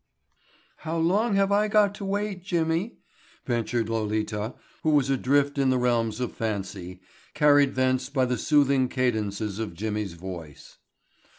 "How long have I got to wait, Jimmy," ventured Lolita who was adrift in the realms of fancy, carried thence by the soothing cadences of Jimmy's voice.